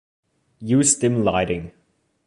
Use dim lighting.